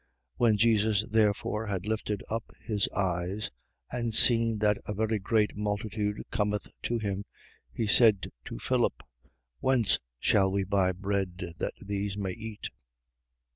6:5. When Jesus therefore had lifted up his eyes and seen that a very great multitude cometh to him, he said to Philip: Whence shall we buy bread, that these may eat?